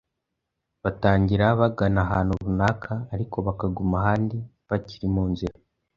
Batangira bagana ahantu runaka, ariko bakaguma ahandi bakiri mu nzira.